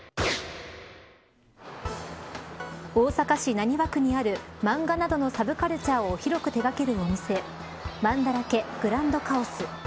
大阪市浪速区にある漫画などのサブカルチャーを広く手掛けるお店まんだらけグランドカオス。